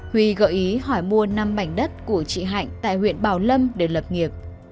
huy gợi ý hỏi mua năm mảnh đất của chị hạnh tại huyện bảo lâm để lập nghiệp